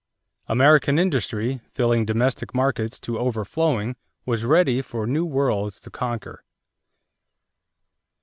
American industry, filling domestic markets to overflowing, was ready for new worlds to conquer.